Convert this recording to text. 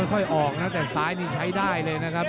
ค่อยออกนะแต่ซ้ายนี่ใช้ได้เลยนะครับ